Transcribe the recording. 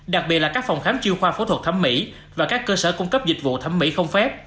đặc biệt là các phòng khám chiêu khoa phẫu thuật thẩm mỹ và các cơ sở cung cấp dịch vụ thẩm mỹ không phép